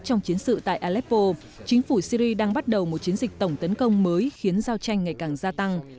trong chiến sự tại aleppo chính phủ syri đang bắt đầu một chiến dịch tổng tấn công mới khiến giao tranh ngày càng gia tăng